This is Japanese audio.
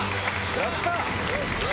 やった！